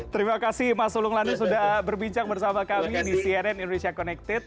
terima kasih mas ulung landu sudah berbincang bersama kami di cnn indonesia connected